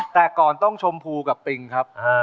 แต่ก่อนต้องชมพูกับปิงครับ